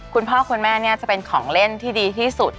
คุณพ่อคุณแม่เนี่ยจะเป็นของเล่นที่ดีที่สุด